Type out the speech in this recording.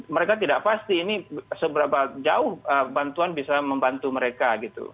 mereka tidak pasti ini seberapa jauh bantuan bisa membantu mereka gitu